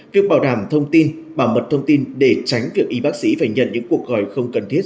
việc bảo đảm thông tin bảo mật thông tin để tránh việc y bác sĩ phải nhận những cuộc gọi không cần thiết